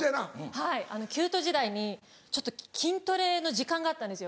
はい℃−ｕｔｅ時代にちょっと筋トレの時間があったんですよ。